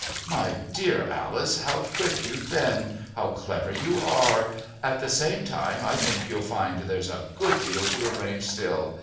"My dear Alice, how quick you've been! How clever you are! At the same time I think you'll find there's a good deal to arrange still.